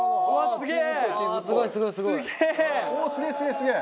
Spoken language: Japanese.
すげえ！